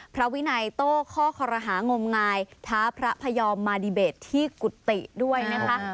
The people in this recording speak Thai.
พระวินัยโต้ข้อคอรหางมงายท้าพระพยอมมาดีเบตที่กุฏิด้วยนะคะ